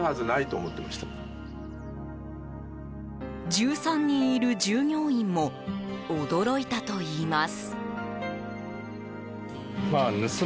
１３人いる従業員も驚いたといいます。